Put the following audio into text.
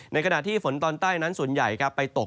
ในขณะที่ฝนตอนใต้นั้นส่วนใหญ่ไปตก